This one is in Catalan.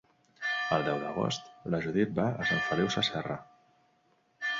El deu d'agost na Judit va a Sant Feliu Sasserra.